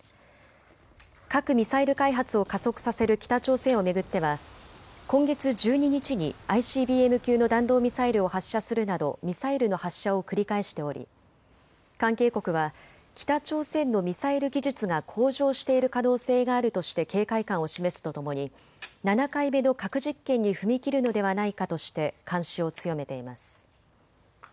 核・ミサイル開発を加速させる北朝鮮を巡っては今月１２日にＩＣＢＭ級の弾道ミサイルを発射するなど、ミサイルの発射を繰り返しており関係国は北朝鮮のミサイル技術が向上している可能性があるとして警戒感を示すとともに７回目の核実験に踏み切るのではないかとして監視を強めています。